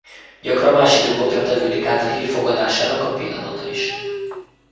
Gyakran más időpontra tevődik át a hír fogadásának a pillanata is.